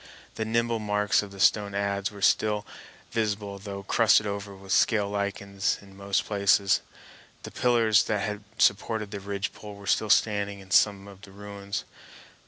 The nibble marks of the stone adze were still visible, though crusted over with scale lichens in most places. The pillars that had supported the ridgepole were still standing in some of the ruins.